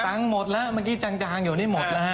หมดแล้วเมื่อกี้จางอยู่นี่หมดแล้วฮะ